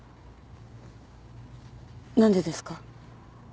何でですか？